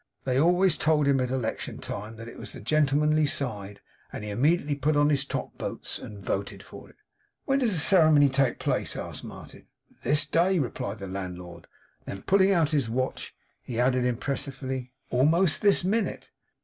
They always told him at election time, that it was the Gentlemanly side, and he immediately put on his top boots, and voted for it. 'When does the ceremony take place?' asked Martin. 'This day,' replied the landlord. Then pulling out his watch, he added, impressively, 'almost this minute.